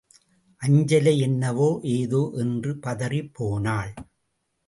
அஞ்சலை என்னவோ ஏதோ என்று பதறிப்போனாள்.